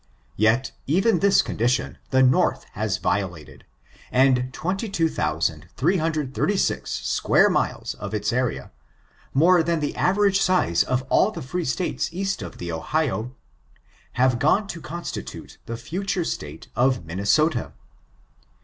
Yet even this condition the North has violated, and 22,336 square miles of its area, more than the average size of all the free States east of the Ohio, have gone to constitute the future State of Minnesota.